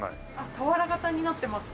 俵型になってますね。